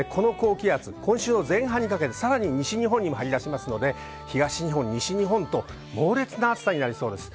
今週の前半にかけてさらに西日本に張り出しますので東日本、西日本と猛烈な暑さになりそうです。